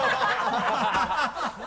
ハハハ